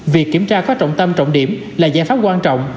việc kiểm tra có trọng tâm trọng điểm là giải pháp quan trọng